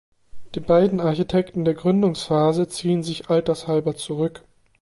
Die beiden Architekten der Gründungsphase ziehen sich altershalber zurück.